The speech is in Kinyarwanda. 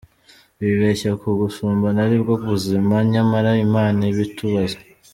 Bibeshya ko gusambana aribwo buzima, nyamara imana ibitubuza.